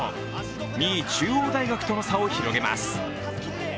２位・中央大学との差を広げます。